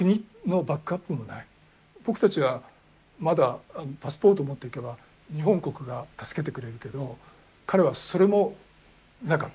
僕たちはまだパスポートを持っていけば日本国が助けてくれるけど彼はそれもなかった。